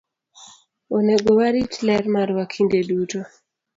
Onego warit ler marwa kinde duto.